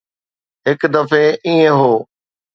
هڪ دفعي ائين هو.